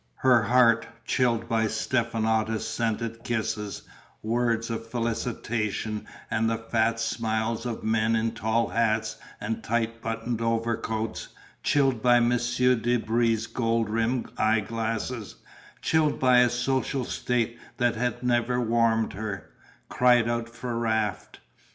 Her heart, chilled by stephanotis scented kisses, words of felicitation and the fat smiles of men in tall hats and tight buttoned overcoats, chilled by Monsieur de Brie's gold rimmed eye glasses, chilled by a social state that had never warmed her, cried out for Raft.